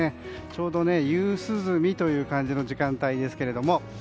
ちょうど夕涼みという感じの時間帯ですけども。